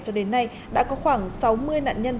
cho đến nay đã có khoảng sáu mươi nạn nhân